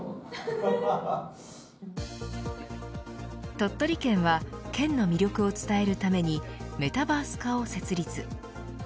鳥取県は県の魅力を伝えるためにメタバース課を設立。